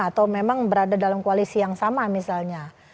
atau memang berada dalam koalisi yang sama misalnya